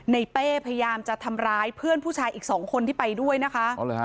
เป้พยายามจะทำร้ายเพื่อนผู้ชายอีกสองคนที่ไปด้วยนะคะ